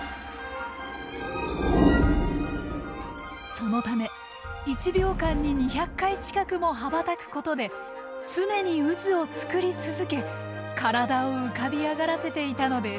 そのため１秒間に２００回近くも羽ばたくことで常に渦を作り続け体を浮かび上がらせていたのです。